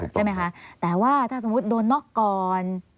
ใช่ไหมคะแต่ว่าถ้าสมมุติโดนน็อกก่อน